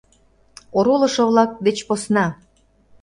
Оролышо-влак деч посна!